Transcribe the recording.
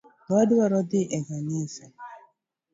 Wadwa dhii e kanisa.